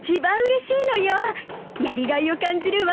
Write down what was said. やりがいを感じるわ。